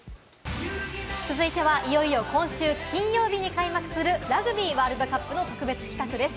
続いては、いよいよ今週金曜日に開幕するラグビーワールドカップの特別企画です。